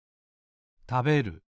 たべる。